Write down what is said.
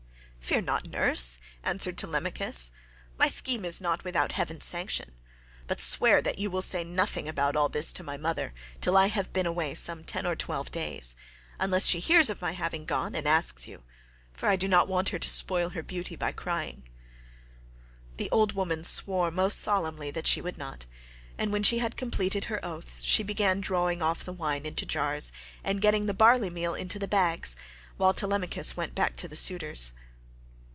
"Fear not, nurse," answered Telemachus, "my scheme is not without heaven's sanction; but swear that you will say nothing about all this to my mother, till I have been away some ten or twelve days, unless she hears of my having gone, and asks you; for I do not want her to spoil her beauty by crying." The old woman swore most solemnly that she would not, and when she had completed her oath, she began drawing off the wine into jars, and getting the barley meal into the bags, while Telemachus went back to the suitors.